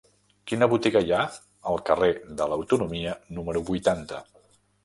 Quina botiga hi ha al carrer de l'Autonomia número vuitanta?